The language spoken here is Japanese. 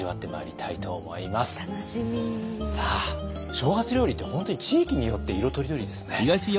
正月料理って本当に地域によって色とりどりですね。